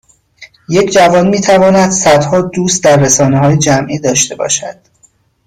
یک جوان میتواند صدها دوست در رسانههای جمعی داشته باشد